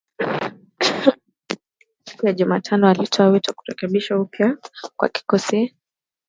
Siku ya Jumatano, alitoa wito wa kurekebishwa upya kwa kikosi cha kulinda amani cha Umoja wa Mataifa